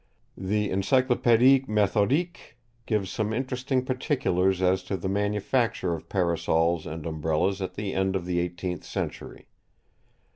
The "Encyclopedic Méthodique" gives some interesting particulars as to the manufacture of Parasols and Umbrellas at the end of the eighteenth century.